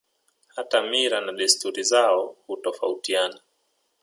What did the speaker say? Hata mila na desturi zao hutofautiana